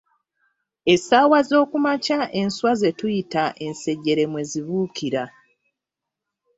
Essaawa zookumakya enswa ze tuyita ensejjere mwe zibuukira.